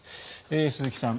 鈴木さん